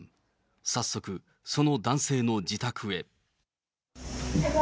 早速その男性の自宅へ。